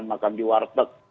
makan di warteg